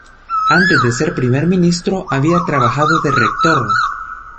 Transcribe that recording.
Antes de ser primer ministro había trabajado de rector.